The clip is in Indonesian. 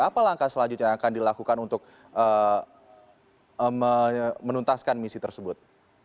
apa langkah selanjutnya yang akan dilakukan untuk menuntaskan misi tersebut